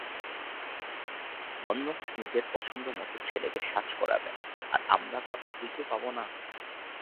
মন্মথ নিজের পছন্দমত ছেলেকে সাজ করাবেন, আর আমরা কথা কইতেও পাব না!